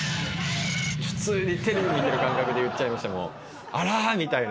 普通にテレビ見てる感覚で言っちゃいました。